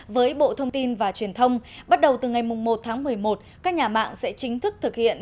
với bộ thông tin và truyền thông bắt đầu từ ngày một tháng một mươi một các nhà mạng sẽ chính thức thực hiện